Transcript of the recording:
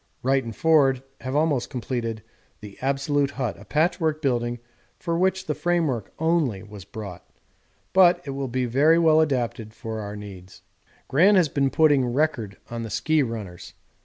Wright and Forde have almost completed the absolute hut, a patchwork building for which the framework only was brought but it will be very well adapted for our needs. Gran has been putting 'record' on the ski runners.